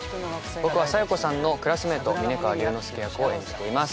僕は佐弥子さんのクラスメイト峯川龍之介役を演じています